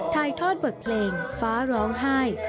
ถ่ายทอดบทเพลงฟ้าร้องไห้